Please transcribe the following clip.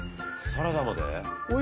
サラダまで？